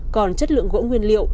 còn chất lượng gỗ nguyên liệu